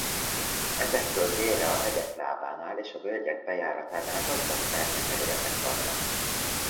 Ezektől délre a hegyek lábánál és a völgyek bejáratánál gazdag termőterületek vannak.